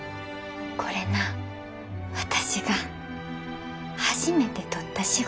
これな私が初めて取った仕事。